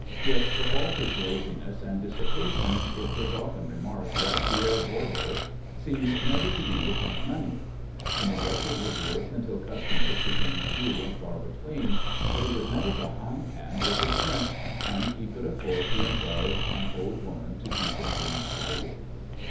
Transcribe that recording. Yet for all his laziness and dissipation it was often remarked that Pierre Voirbo seemed never to be without money. He neglected his work until customers became few and far between, but he was never behindhand with his rent, and he could afford to employ an old woman to keep his rooms tidy.